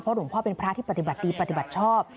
หลวงพ่อเป็นพระที่ปฏิบัติดีปฏิบัติชอบ